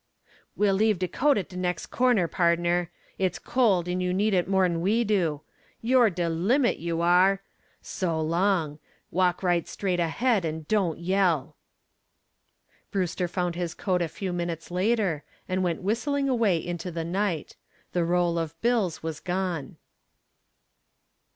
"We'll leave de coat at de next corner, pardner. It's cold and you need it more'n we do. You're de limit, you are. So long. Walk right straight ahead and don't yell." Brewster found his coat a few minutes later, and went whistling away into the night. The roll of bills was gone.